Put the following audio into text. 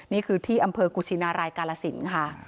นี่คือที่อำเภอกุชินารายกาลสินค่ะ